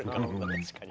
確かに。